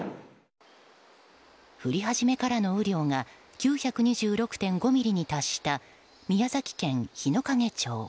降り始めからの雨量が９２６．５ミリに達した宮崎県日之影町。